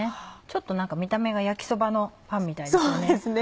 ちょっと何か見た目が焼きそばのパンみたいですよね。